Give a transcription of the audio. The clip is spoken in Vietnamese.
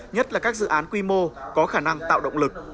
nhất là các dự án quy mô có khả năng tạo động lực